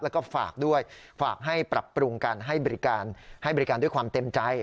แล้วก็ฝากด้วยฝากให้ปรับปรุงการให้บริการให้บริการด้วยความเต็มใจ